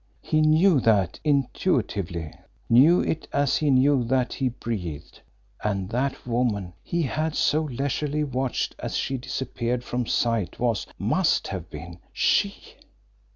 He KNEW that intuitively knew it as he knew that he breathed. And that woman he had so leisurely watched as she had disappeared from sight was, must have been she!